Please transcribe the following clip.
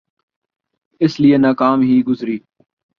اس لئے ناکام ہی گزری۔